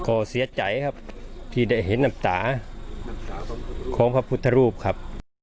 ก็เสียใจครับที่ได้เห็นน้ำตาของพระพุทธรูปครับ